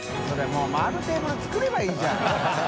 もう回るテーブル作ればいいじゃん。